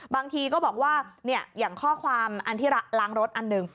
บางทีก็บอกว่าอย่างข้อความอันที่ล้างรถอันหนึ่ง